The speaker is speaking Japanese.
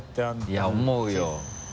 いや思うよ。